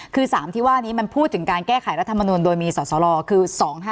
คือ๓ที่ว่านี้มันพูดถึงการแก้ไขรัฐมนุนโดยมีสอสลคือ๒๕๖